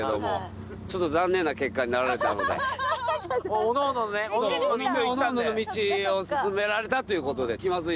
おのおのの道を進められたっていうことで。